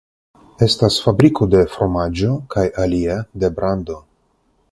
Estas fabriko de fromaĝo kaj alia de brando.